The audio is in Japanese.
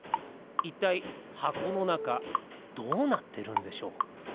いったいはこのなかどうなってるんでしょう？